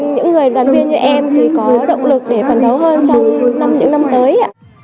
những người đoàn viên như em thì có động lực để phấn đấu hơn trong những năm tới